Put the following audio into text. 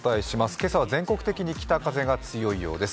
今朝は全国的に北風が強いようです。